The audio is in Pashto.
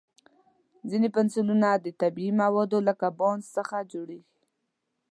ځینې پنسلونه د طبیعي موادو لکه بانس څخه جوړېږي.